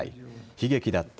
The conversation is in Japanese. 悲劇だった。